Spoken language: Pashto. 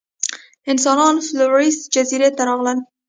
انسانان فلورېس جزیرې ته راغلل.